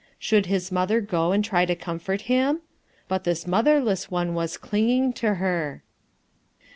Should his mother go and try to comfort him? But this motherless one was clinging to her.